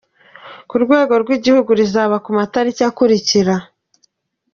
Ku rwego rw’igihugu rizaba ku matariki akurikira:.